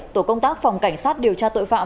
tổ công tác phòng cảnh sát điều tra tội phạm